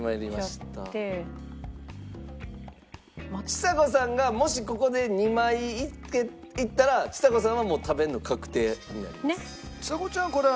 ちさ子さんがもしここで２枚いったらちさ子さんはもう食べるの確定になります。